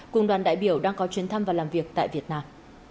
cùng đoàn đại biểu đang có chuyến thăm và làm việc tại việt nam